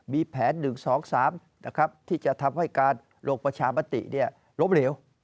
มีแผนหนึ่งสองสามนะครับที่จะทำให้การลงประชามติเนี่ยลบเหลว